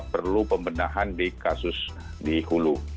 perlu pembenahan di kasus di hulu